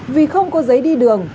vì không có giấy đi đường